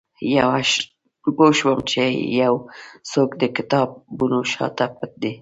پوه شوم چې یو څوک د کتابونو شاته پټ دی